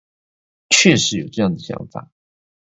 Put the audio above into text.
確實有這樣的想法